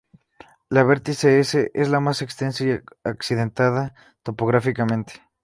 La vertiente S es la más extensa y accidentada topográficamente.